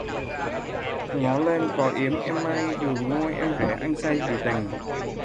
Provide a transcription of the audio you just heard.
Ngó lên có yếm em may, đường ngôi em rẽ, anh say vì tình